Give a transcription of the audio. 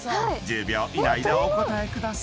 ［１０秒以内でお答えください］